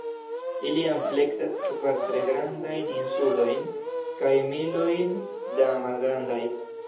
Ili ampleksas kvar tre grandajn insulojn, kaj milojn da malgrandaj.